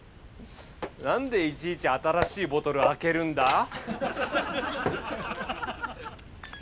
何でいちいち新しいボトルを開けるんだ？